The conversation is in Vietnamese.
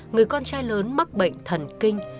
người con trai lớn mắc bệnh thần kinh